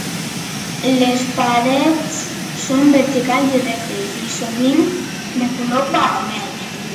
Les parets són verticals i rectes, i sovint de color vermell.